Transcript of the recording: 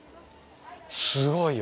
すごいよ。